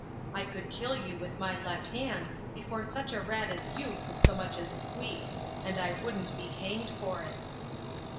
"I could kill you with my left hand before such a rat as you could so much as squeak. And I wouldn't be hanged for it."